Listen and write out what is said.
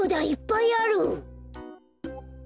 いっぱいある！